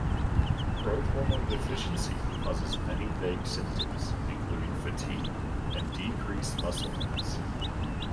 Growth hormone deficiency causes many vague symptoms including fatigue and decreased muscle mass.